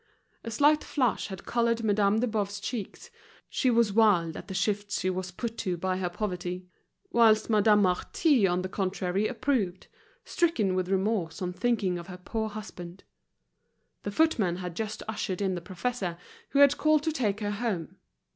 A slight flush had colored Madame de Boves's cheeks, she was wild at the shifts she was put to by her poverty; whilst Madame Marty on the contrary approved, stricken with remorse on thinking of her poor husband. The footman had just ushered in the professor, who had called to take her home.